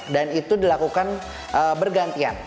dan itu dilakukan bergantian